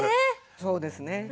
そうですね。